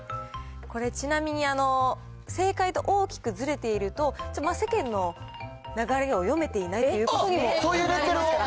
これ、ちなみに、正解と大きくずれていると、世間の流れを読めていないということにもなりますから。